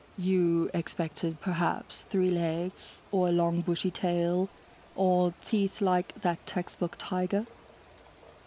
"You expected perhaps three legs or a long bushy tail or teeth like that textbook tiger?"